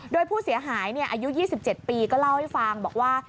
โดยผู้เสียหายอายุ๒๗ปีก็เล่าให้ฟังบอกว่า